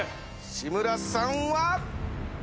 西村さんは。